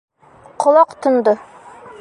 Ҡолаҡ тондо.